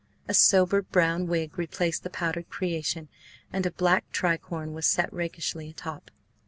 A sober brown wig replaced the powdered creation, and a black tricorne was set rakishly atop.